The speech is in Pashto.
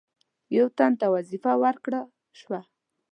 یو تن ته وظیفه ورکړه شوه.